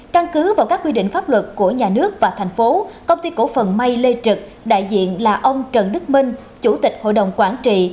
căn cứ vào các quy định pháp luật của nhà nước và thành phố công ty cổ phần may lê trực đại diện là ông trần đức minh chủ tịch hội đồng quản trị